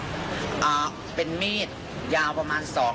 แล้วพี่ก็เอาสร้อยมาด้วย